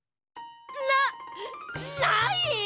なっない！？